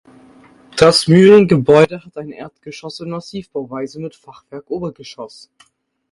Das Mühlengebäude hat ein Erdgeschoss in Massivbauweise mit Fachwerkobergeschoss.